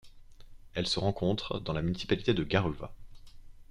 Elle se rencontre dans la municipalité de Garuva.